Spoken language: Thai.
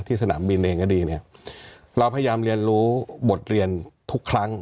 สนามบินเองก็ดีเนี่ยเราพยายามเรียนรู้บทเรียนทุกครั้ง